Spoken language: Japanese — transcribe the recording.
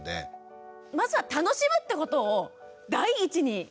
まずは楽しむってことを第一にしたいなって。